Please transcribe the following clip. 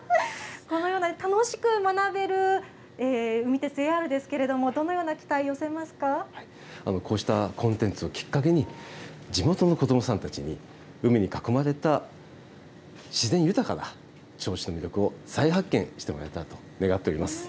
このような楽しく学べる海鉄ＡＲですけれども、どのような期待をこうしたコンテンツをきっかけに、地元の子どもさんたちに海に囲まれた自然豊かな銚子の魅力を再発見してもらえたらと願っております。